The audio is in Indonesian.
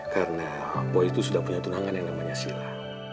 karena boy itu sudah punya tunangan yang namanya sila